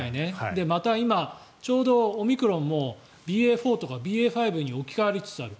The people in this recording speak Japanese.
また今、ちょうどオミクロンもＢＡ．４とかＢＡ．５に置き換わりつつある。